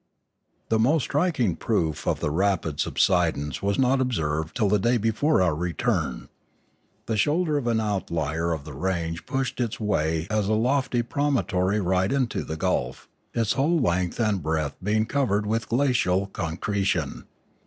The most striking proof of the rapid subsidence was not observed till the day before our return. The shoulder of an outlier of the range pushed its way as a lofty promontory right into the gulf, its whole length and breadth being covered with glacial concretion.